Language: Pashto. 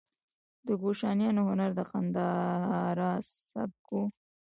د کوشانیانو هنر د ګندهارا سبک و